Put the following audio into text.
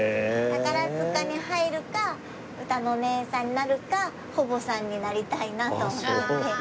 宝塚に入るかうたのおねえさんになるか保母さんになりたいなと思ってて。